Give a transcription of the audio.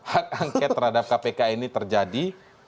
hak angket terhadap kpk ini terjadi